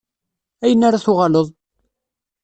Ayen ara tuɣaleḍ?